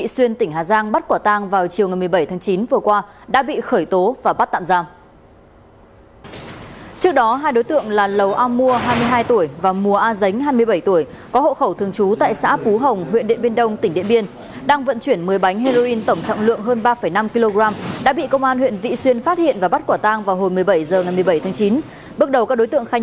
xin chào và hẹn gặp lại